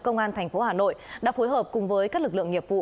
công an thành phố hà nội đã phối hợp cùng với các lực lượng nghiệp vụ